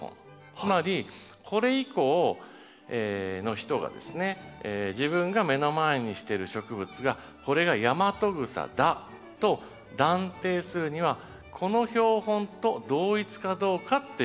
つまりこれ以降の人がですね自分が目の前にしてる植物がこれがヤマトグサだと断定するにはこの標本と同一かどうかっていうことを見るっていうことなんです。